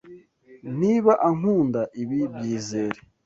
Niba ankunda, ibi byizere